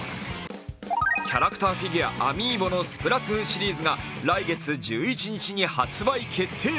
キャラクターフィギュア・ａｍｉｉｂｏのスプラトゥーンシリーズが来月１１日に発売決定。